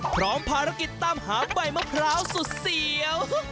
พร้อมภารกิจตามหาใบมะพร้าวสุดเสียว